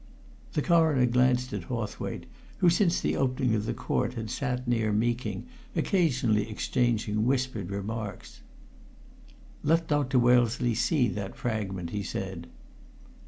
The Coroner glanced at Hawthwaite, who since the opening of the Court had sat near Meeking, occasionally exchanging whispered remarks. "Let Dr. Wellesley see that fragment," he said.